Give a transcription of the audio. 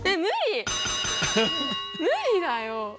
無理だよ。